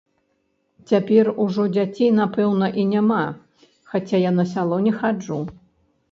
Цяпер ужо дзяцей, напэўна, і няма, хаця я на сяло не хаджу.